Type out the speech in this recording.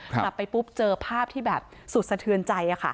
กลับไปปุ๊บเจอภาพที่แบบสุดสะเทือนใจ